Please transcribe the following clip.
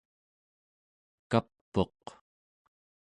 kap'uq